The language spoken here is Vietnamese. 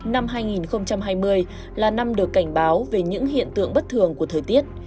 năm hai nghìn hai mươi là năm được cảnh báo về những hiện tượng bất thường của thời tiết